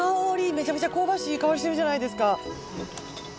めちゃめちゃ香ばしいいい香りしてるじゃないですか。